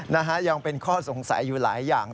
นะฮะยังเป็นข้อสงสัยอยู่หลายอย่าง